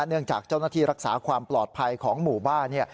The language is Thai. เนื่องจากเจ้าหน้าที่รักษาความปลอดภัยของหมู่บ้าน